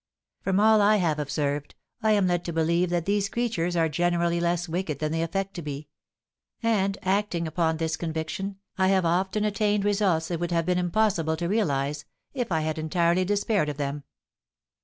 From all I have observed, I am led to believe that these creatures are generally less wicked than they affect to be; and, acting upon this conviction, I have often attained results it would have been impossible to realise, if I had entirely despaired of them."